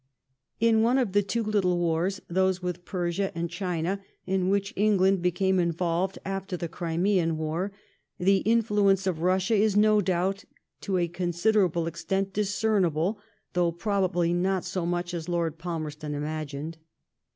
In one of the two little wars, those with Persia audi China, in which England became involved after the Crimean war, the influence of Bussia is no doubt to a considerable extent discernible, though probably not so much as Lord Palmerston imagined.